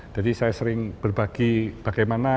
jadi saya sering berbagi bagaimana